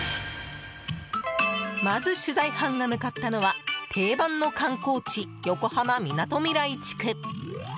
まず、取材班が向かったのは定番の観光地横浜みなとみらい地区。